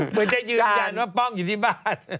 เหมือนจะยืนยันว่าป้องอยู่ที่บ้าน